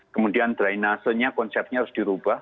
kemudian drainasenya konsepnya harus dirubah